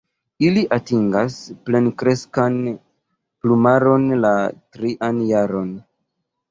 Ili atingas plenkreskan plumaron la trian jaron.